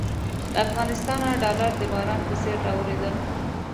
له افغانستانه ډالر د باران په څېر رااورېدل.